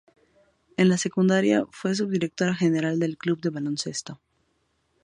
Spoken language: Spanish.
En la secundaria, fue subdirectora general del club de baloncesto.